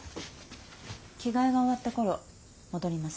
着替えが終わった頃戻ります。